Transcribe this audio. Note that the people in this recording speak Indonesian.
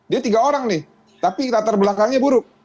dia tiga orang nih tapi latar belakangnya buruk